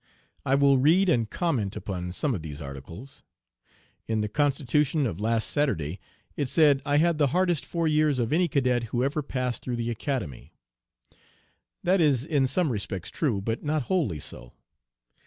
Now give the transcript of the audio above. "'I will read and comment upon some of these articles. In The Constitution of last Saturday it said I had the hardest four years of any cadet who ever passed through the Academy. That is in some respects true, but not wholly so.